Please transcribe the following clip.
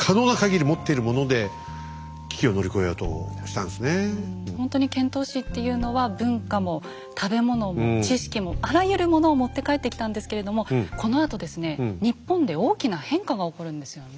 ただほんとに遣唐使っていうのは文化も食べ物も知識もあらゆるものを持って帰ってきたんですけれどもこのあとですね日本で大きな変化が起こるんですよね。